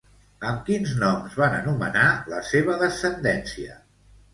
Amb quins noms van anomenar la seva descendència?